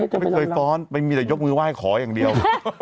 ก็ไม่เคยฟ้อนไปมีแต่ยกมือไหว้ขออย่างเดียว